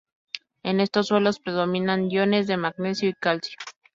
En estos suelos predominan iones de magnesio y calcio.